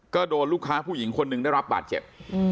ก็โดนลูกค้าผู้หญิงคนหนึ่งได้รับบาดเจ็บ